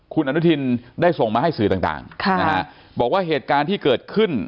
คุณอนุทินได้ส่งมาให้สื่อต่างบอกว่าเหตุการณ์ที่เกิดขึ้น